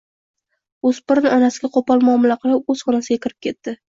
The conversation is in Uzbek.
o‘spirin onasiga qo‘pol muomala qilib o‘z xonasiga kirib ketdi.